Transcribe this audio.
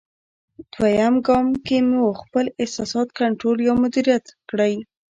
دوېم ګام کې مو خپل احساسات کنټرول یا مدیریت کړئ.